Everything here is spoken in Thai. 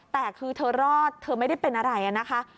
แต่คือเธอรอดเธอไม่ได้เป็นอะไรนะคะ